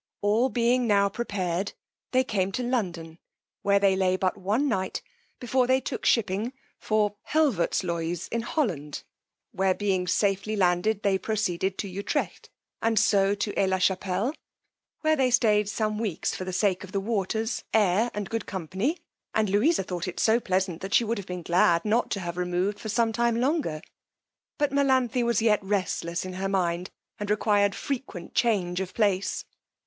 All being now prepared, they came to London, where they lay but one night before they took shipping for Helvoetsluys in Holland, where, being safely landed, they proceeded to Utrecht, and so to Aix la chappelle; there they stayed some weeks for the sake of the waters, air, and good company; and Louisa thought it so pleasant, that she would have been glad not to have removed for some time longer; but Melanthe was yet restless in her mind, and required frequent change of place.